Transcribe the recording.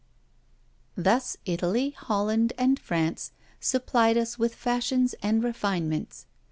Thus Italy, Holland, and France supplied us with fashions and refinements.